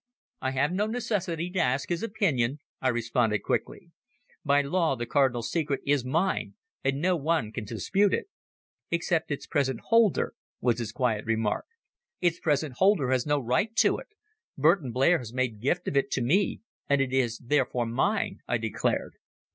"I have no necessity to ask his opinion," I responded quickly. "By law the Cardinal's secret is mine, and no one can dispute it." "Except its present holder," was his quiet remark. "Its present holder has no right to it. Burton Blair has made gift of it to me, and it is therefore mine," I declared.